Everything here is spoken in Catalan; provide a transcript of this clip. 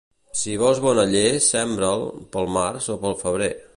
Si vols bon aller sembra'l pel març o pel febrer.